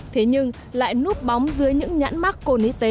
thế nhưng lại núp bóng dưới những nhãn mắc cồn y tế